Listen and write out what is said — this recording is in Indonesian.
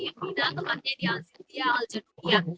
saya berada di mabit tempatnya di al siddiq al jadudiyah